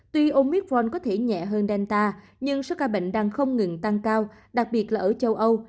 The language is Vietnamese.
tuy omith vol có thể nhẹ hơn delta nhưng số ca bệnh đang không ngừng tăng cao đặc biệt là ở châu âu